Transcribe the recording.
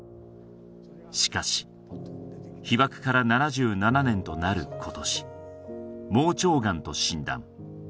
しかし被爆から７７年となる今年盲腸がんと診断